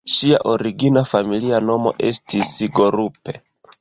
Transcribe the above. Ŝia origina familia nomo estis "Gorup".